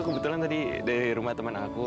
kebetulan tadi dari rumah teman aku